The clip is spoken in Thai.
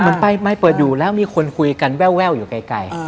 เหมือนไปไมค์เปิดอยู่แล้วมีคนคุยกันแว่วอยู่ใกล้